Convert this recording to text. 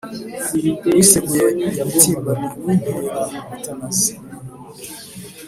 Uwiseguye imitimba ni uw’Inkerabatanazi,